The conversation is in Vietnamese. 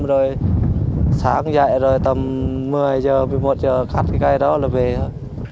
rồi sáng dậy rồi tầm một mươi giờ một mươi một giờ cắt cái cây đó là về thôi